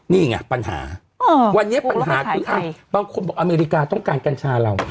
นี่ไงปัญหาวันนี้ปัญหาคือบางคนบอกอเมริกาต้องการกัญชาเรา